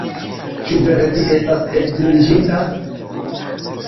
Ĉu vere vi estas edziniĝinta?